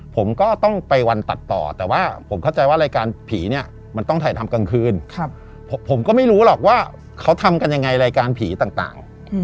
ผมก็ต้องไปวันตัดต่อแต่ว่าผมเข้าใจว่ารายการผีเนี่ยมันต้องถ่ายทำกลางคืนผมก็ไม่รู้หรอกว่าเขาทำกันยังไงรายการผีต่าง